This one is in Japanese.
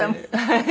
はい。